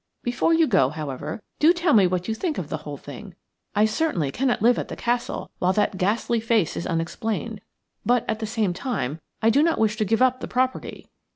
Before you go, however, do tell me what you think of the whole thing. I certainly cannot live at the castle while that ghastly face is unexplained; but at the same time I do not wish to give up the property."